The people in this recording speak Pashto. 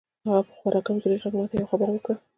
هغه په خورا کمزوري غږ ماته یوه خبره وکړه